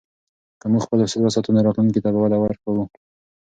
که موږ خپل اصول وساتو، نو راتلونکي ته به وده ورکوو.